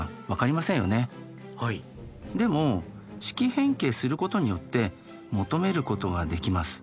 でも式変形することによって求めることができます。